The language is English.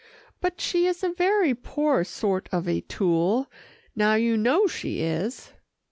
"But she is a very poor sort of a tool now you know she is."